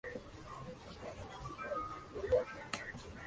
Trincado escribió muchas obras sobre el espiritismo racionalista.